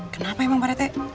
kenapa emang pak rete